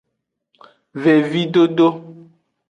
Vevidodo.